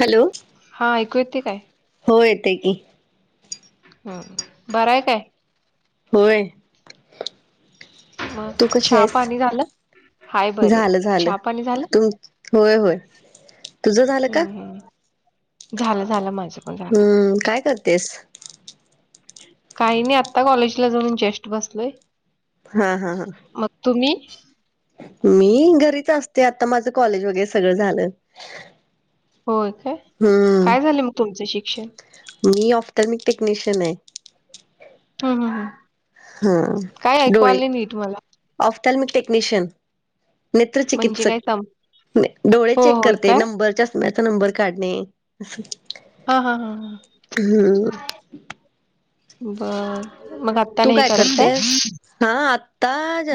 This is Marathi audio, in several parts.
हॅलो. हा ऐकू येते काय? होयं येतयं की. हम्म बरा हाय काय? होय मग तू कशी चहा आहेस पाणी झालं. हाय बरी आहे. झालं झालं चहा पाणी झालं? तु होय होय तुझ झालं का? हम्म, हम्म. झालं झालं माझं. पण झालं. हम्म काय करतेस? काही नाही आत्ता कॉलेजला जाऊन जेस्ट बसलोय. हा हा हा. मग तुम्ही मी घरीच असते आता माझं कॉलेज वगैरे सगळं झालं. होय काय काय हम्म झाले मग तुमचं शिक्षण मी ऑफ्टर्मिक टेक्निशियन आहे. हम् हम् काय ऐकू आले नाही नीट मला ऑफ्टर्मिक टेक्निशियन नेत्र म्हणजे चिकित्सक काय सम डोळे हो, चेक होय करते काय? नंबरच्या म त नंबर काढणे. अस. हा हा हा बर मग आ. तू काय करतेस हा आत्ता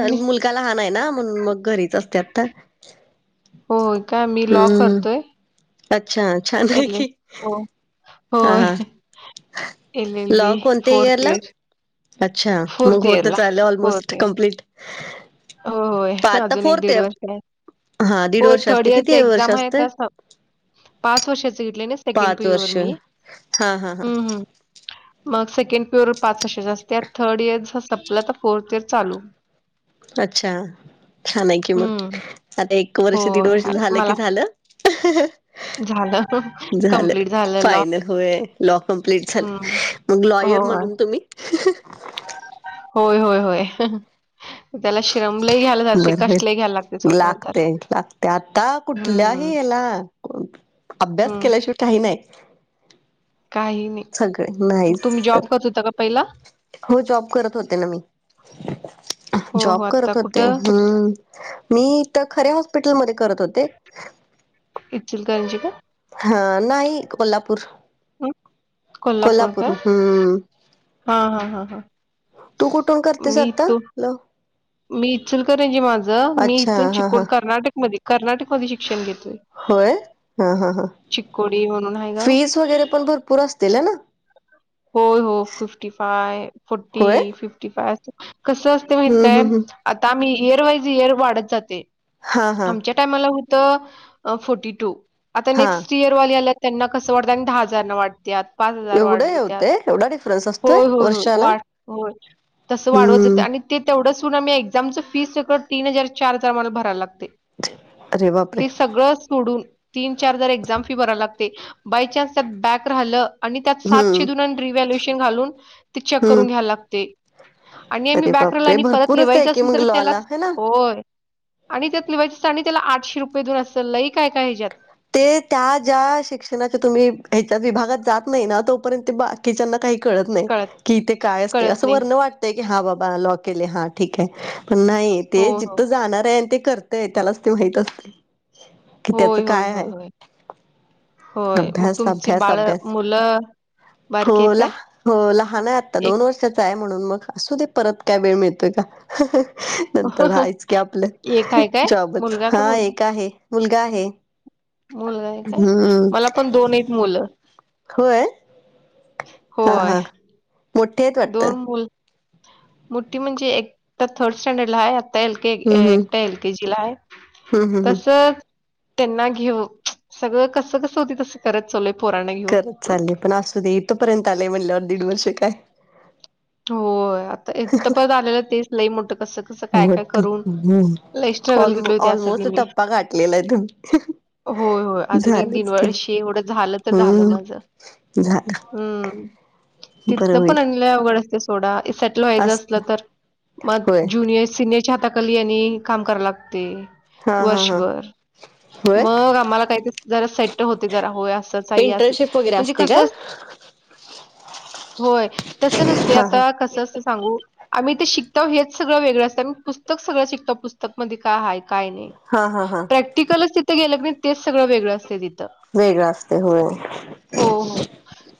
मी मुल त का लहान आहे ना म्हणून मग घरीच असते आता हो काय मी लॉ हम्म. करतोय. अच्छा छान आहे एल एल की हो. हा होय. हा एल एल बी लॉ कोणत्या इयर फोर्थ ला. अच्छा फोर्थ मग इयरला. होत आलं ऑलमोस्ट कं्प्लीट हो होय अजून एक फोर्थ दीड इयर वर्ष आहे. हां, दीड हो वर्ष थर्ड असते. इयर किती वर्ष एक्झाम आहे असते? पाच वर्षा तगन पिर वर्ष. मी हां, हां, हां. हम्म हम्. मग सेकंड पिअर पाचशे जास्त थर्ड इयर संपला तर फोर्थ इयर चालू. अच्छा छान आहे की मग हं. आता एक वर्ष दीड होय. वर्ष आहे झालं की मला झालं. ह. झालं. झालं कंप्लीट लॉ. फायनल होय लॉ कमप्लीट झालं. हं. मग लॉयर होय. म्हणून तुम्ही? होय होय होय. त्याला शिरमल घ्यायला लागते बरं, बरं. कष्टल घ्यायला लागते थोडं नंतर लागतंय, लागतंय. आता हं, कुठल्याही याला अभ्यास हं. केल्याशिवाय काही नाही. काही सगळे नाही तुम्ही नाहीच तर जॉब करत होता का पहिला हो जॉब करत होते ना मी हो, हो. जॉब आता करत होते कुठं? हम्म. मी तर खऱ्या हॉस्पिटलमध्ये करत होते. इचलकरची का? हा नाही कोल्हापूर हं. कोल्हापूर हम्म. हां, हां, हां, हां. तू कुठून करतेस मी आता इथून ल मी इचुलकरणजे माझं मी अच्छा इथून हा हा चिकण कर्नाटक म कर्नाटक मध्ये शिक्षण घेतोय. होय हा ह ह चिकोडी म्हणून आहे गाव फीज वगैरे पण भरपूर असतील ना. होय हो फिफ्टी फाय होय फोर्टी फिफ्टी फाय कसं असते माहित हम्म आहे हम्म काय? हम्म आता आम्ही एयर वाईज इयर वाढत जाते हा हा आमच्या माझ्या टाईमला होतं फोर्टी टू आता हा नेक्स्ट इयर ल्या त्यांना कस वात आणि दहा हजार वाटते पाच हजार एवढं वाढू. होते एवढा डिफरन्स असतोय वर्षाला हो तस वाढव. हम्म तेवढं सु आम्ही एक्झमचं फी सगळ तीन हजार चार हजार आ्हाला भरायला लागते. अरे बापरे ते सगळं सोडून तीन चार जर एक्झाम फी भरा लागते बाय न्स त्यात बॅक राहिलं आणि त्यात सात हम्म द रिव्हल्युएशन घालून ते चेक हम्म करून घ्या लागते. आणि आम्ही अरे बॅकला बापरे आणि परत भरपूरच आहे लिवायचं की असल मग तररी लॉ त्याला ला है ना होय. आणि त्यात लिवायची चाणी त्याला आठे रुपये देऊन असतं लई काय काय ह्यात. ते त्या ज्या शिक्षणाच्या तुम्ही ह्याच्यात विभागात जात नाही ना तोपर्यंत बाकीच्याना काही नाही कळत कथे काय असते कळत असं नाही. वण वाट. हा बाबा लॉ केले हा ठीक आहे पण नाही हो, ते हो. जिथं जाणार आहे ते कर. ते त्यालाच ते माहित असते. कि त्याचं होय होय काय हो आहे होय. होय मग अभ्यास तुमची अभ्यास बाळ अभ्यास मुलं हो बारकीे आहेत ला काय? हो लहान आहे आत्ता एक दोन वर्षाचा आहे म्हणून मग असू दे परत काय वेळ मिळतोय का. नंतर हायच की एक आपलं आहे काय? जॉबच, मुलगा का हा मुलगी? एक आहे. मुलगा आहे. मुलगा आहे काय? हम्म मला पण दोन हाईत मुलं. होय? होय. मोठेे आहेत वाटतं? मुलं मोठी म्हणजे एक तर थर्ड स्टँडर्डला आहे. आता एलके हम् हम एकटं एलकेजीला आहे. हम् हम हम तसं त्यांना घेऊ सगळं कसं कसं होतंय तसं खरच चाललोय पोरानां घेऊन. चालेल पण असू दे इथथेपर्यंत आलेय म्हंटल्यावर दीड वर्ष काय. होय आता एक तर परत आलेलं तेच लई मोठं कसं तसं काय काय वाटत करून, लय स्ट्रगल ऑलमो घेतलोय त्यासाठी ऑलमोस्ट मी. टप्पा गाठलेला आहे तुम्ही होय होय. अजून एक झालंच की दिनवळशे एवढं झालं तर झालं हम्म माझं. हम्म. बर होईल. लय अवघड असतंय सोडा. सेटल व्हायचं असत असलं तर, मग होय जुनिअर सिनिअर च्या हाताखाली आणि काम करावं लागते हा हा हा वर्षभर. होय मग आम्हाला काहीतरी जरा सेट्ट होते, जरा होय असं ताई अस इंटर्नशिप वगैरे म्हणजे असते का कसं होय. तसं नस ते हा हा आता कसं असं सांगू आम्ही ते शिकतोव हेच सगळं वेगळं असतं आणि पुस्तक सगळं शिकतो. पुस्त तकमध्ये काय आहे काय नाही. हा हा हा प्रॅक्टिकलच तिथं गेलं कनई तेच सगळं वेगळं असतंय तिथं. वेगळं असतंय हो. हो हो.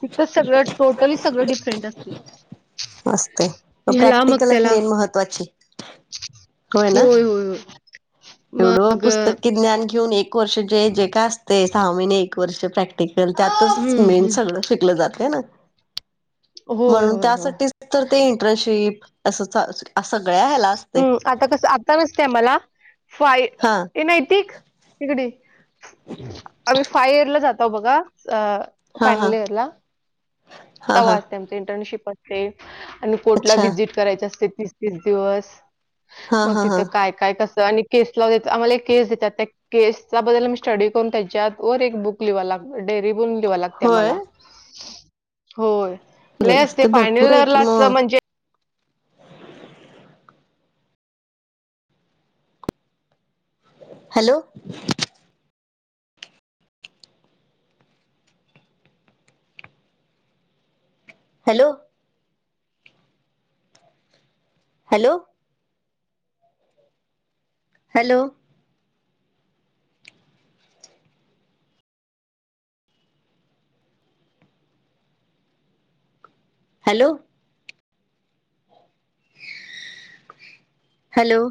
तिथं सगळं टोटली सगळी डिफरेंट असते. असतंय, मग ह्याला प्रॅक्टिकलच त्याला मेन महत्वाची. होय होय होय. एवढं मग अ, पुस्तकी ज्ञान घेऊन एक वर्ष जे जे काय असतंय सहा महिने एक वर्ष प्रॅक् ते केल त्यातच हम्म मेन हम्म सगळं शिकलं जातंय ना? होय म्हणून होय होय त्यासाठीच तर ते इंटर्नशिप अस स अ सगळ्या ह्याला असतंय. हम्म आता कस आता नसते आम्हाला. फाय हा ए नैतिक इकडं ये. आम्ही फाय इयरला जातो बघा अ हा हा फायनल इयरला हा हा तव्हा असतंय आमचं. इंटर्नशिप असते आणि कोर्टला अच्छा व्हिजिट करायची असते तीस तीस दिवस. हा मग हा हा तिथं काय काय कसं आणि केस लावत्यात आम्हाला एक केस देत्यात. त्या केसचा बद्दल मी स्टडी करून त्याच्यात वर एक बुक लिवाय लागलोय. डेअरी बून लिवाव लागतंय होय मला. होय लय असतंय ते भरपूर फायनल आहे की इयरला असलं मग म्हणजे hello. Hello. Hello. Hello. Hello. Hello.